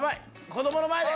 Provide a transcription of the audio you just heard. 子供の前で。